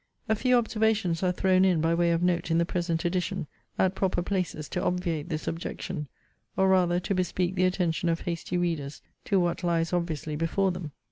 A few observations are thrown in by way of note in the present edition, at proper places to obviate this objection, or rather to bespeak the attention of hasty readers to what lies obviously before them.